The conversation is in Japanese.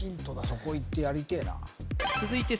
そこ行ってやりてえな続いて